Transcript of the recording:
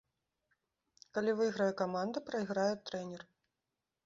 Калі выйграе каманда, прайграе трэнер.